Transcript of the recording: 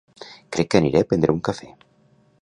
Crec que aniré a prendre un cafè.